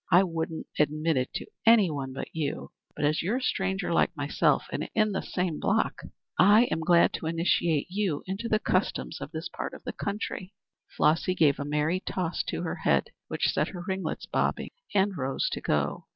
I wouldn't admit it to any one but you; but as you are a stranger like myself and in the same block, I am glad to initiate you into the customs of this part of the country," Flossy gave a merry toss to her head which set her ringlets bobbing, and rose to go.